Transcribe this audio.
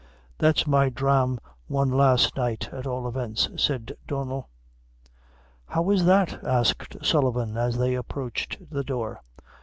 "That's my drame out last night, at all events," said Donnel. "How is that?" asked Sullivan, as they approached the door.